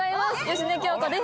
芳根京子です。